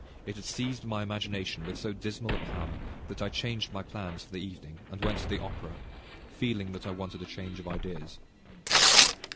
It had seized my imagination with so dismal a power that I changed my plans for the evening, and went to the opera, feeling that I wanted a change of ideas.